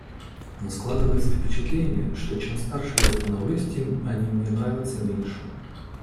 Но складывается впечатление, что, чем старше я становлюсь, тем они мне нравятся меньше.